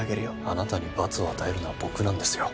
あなたに罰を与えるのは僕なんですよ。